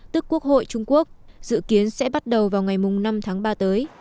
tức quốc hội trung quốc dự kiến sẽ bắt đầu vào ngày năm tháng ba tới